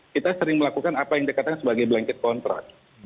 kita sering melakukan apa yang dikatakan sebagai blanket contract